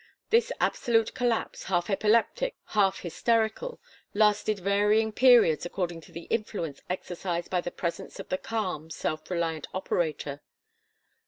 This absolute collapse half epileptic, half hysterical lasted varying periods according to the influence exercised by the presence of the calm, self reliant operator.